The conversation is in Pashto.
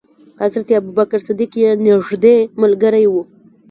حضرت ابو بکر صدیق یې نېږدې ملګری و.